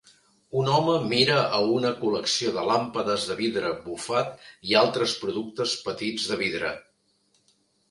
Un home mira a una col·lecció de làmpades de vidre bufat i altres productes petits de vidre.